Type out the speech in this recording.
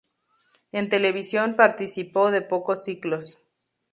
En televisión participó de pocos ciclos.